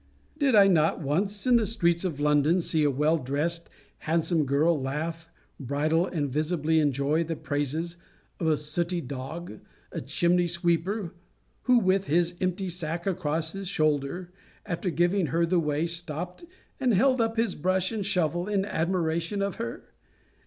Did I not once, in the streets of London, see a well dressed, handsome girl laugh, bridle, and visibly enjoy the praises of a sooty dog, a chimney sweeper; who, with his empty sack across his shoulder, after giving her the way, stopt, and held up his brush and shovel in admiration of her?